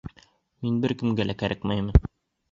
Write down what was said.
Мин бер кемгә лә кәрәкмәймен.